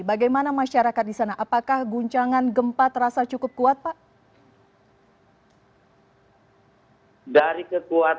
bagaimana masyarakat di sana apakah guncangan gempa terasa cukup kuat pak